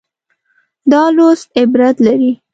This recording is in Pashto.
دا لوست عبرت لري.